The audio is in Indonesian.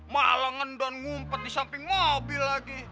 malah ngendon ngumpet di samping mobil lagi